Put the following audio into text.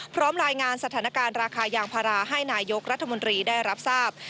พร้อมรายงานสถานการณ์ราคายางพาราให้นายกรัฐมนตรีได้รับทราบ